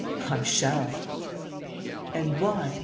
"I shall!" "And why?